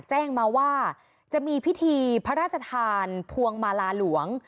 แจ้งมาว่าจะมีพิธีพระราชทานพวงมาลาหลวง